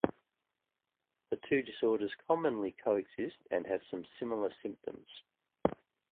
The two disorders commonly co-exist, and have some similar symptoms.